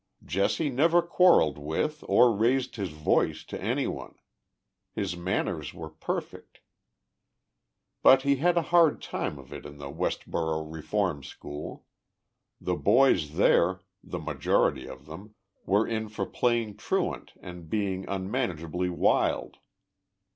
"Jesse never quarrelled with or raised his voice to any one. His manners were perfect. But lie had a hard time of it in the " CStb01 '° Eeforni Sch001 The boys there the majority of them were in for playing truant and being unmauagebly wild.